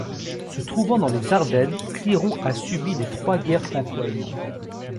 Se trouvant dans les Ardennes, Cliron a subi les trois guerres franco-allemandes.